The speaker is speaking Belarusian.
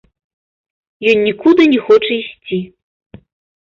Ён нікуды не хоча ісці.